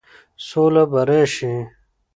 سوله به راشي،